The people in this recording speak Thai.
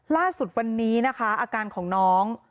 ล่าสุดวันนี้นะคะอาการของน้อง